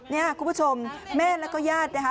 นี่คุณผู้ชมแม่แล้วก็ญาตินะคะ